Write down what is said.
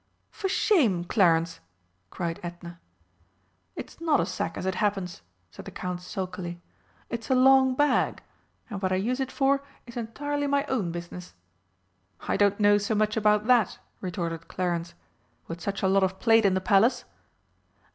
"For shame, Clarence!" cried Edna. "It's not a sack, as it happens," said the Count sulkily. "It's a long bag and what I use it for is entirely my own business." "I don't know so much about that," retorted Clarence. "With such a lot of plate in the Palace!"